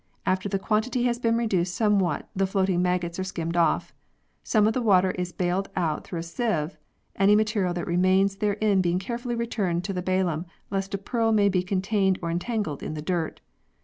After the quantity has been reduced somewhat the floating maggots are skimmed off. Some of the water is baled out through a sieve, any material that remains therein being carefully returned to the ballam lest a pearl may be contained or entangled in the dirt.